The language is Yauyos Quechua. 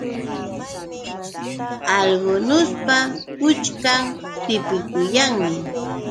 Algunuspa puchkan tipikuyanmi.